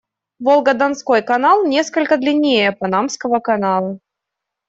Волго-Донской канал несколько длиннее Панамского канала.